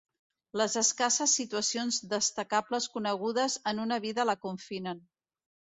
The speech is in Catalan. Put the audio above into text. Les escasses situacions destacables conegudes en una vida la confinen.